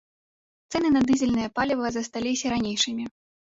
Цэны на дызельнае паліва засталіся ранейшымі.